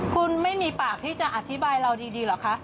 คุณไม่มีปากที่จะอธิบายเราดีเหรอคะ